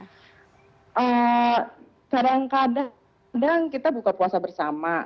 kadang kadang kita buka puasa bersama